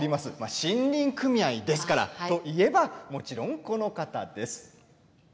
森林組合ですからもちろんこの方です。